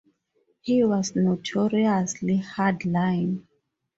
He was notoriously hard line.